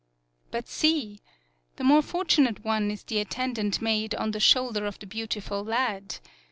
But see! The more fortunate one is the attendant maid, on the shoulder of the beautiful lad.